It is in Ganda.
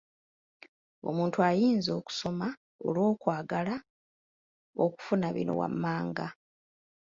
Omuntu ayinza okusoma olw'okwagala okufuna bino wammanga.